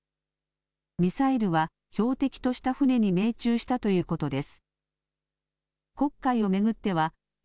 ミサイルは、標的とした船に命中したということです。